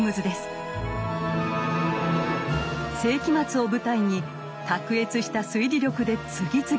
世紀末を舞台に卓越した推理力で次々と難事件を解決。